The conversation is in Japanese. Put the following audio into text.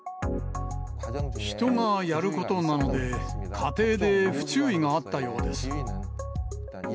人がやることなので、過程で不注意があったようです。